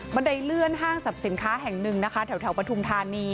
บันไดเลื่อนห้างทำสินค้าแห่งหนึ่งนะคะแถวแถวปทุมธรณี